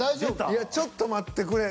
いやちょっと待ってくれ。